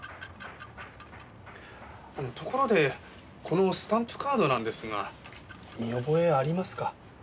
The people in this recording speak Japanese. ところでこのスタンプカードなんですが見覚えありますか？